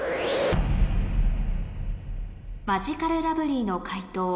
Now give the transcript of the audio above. マヂカルラブリーの解答